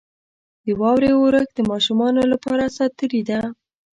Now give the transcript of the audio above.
• د واورې اورښت د ماشومانو لپاره ساتیري ده.